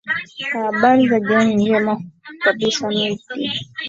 aa habari za jioni ni njema kabisa nurdin